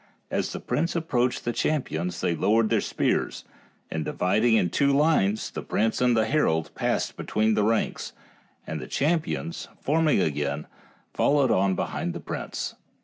As the prince approached the cham pions they lowered their spears, and dividing in 54 FAIRY TALES two lines the prince and the herald passed be tween the ranks, and the champions, forming again, followed on behind the prince.